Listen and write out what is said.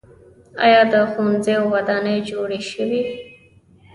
آیا د ښوونځیو ودانۍ جوړې شوي؟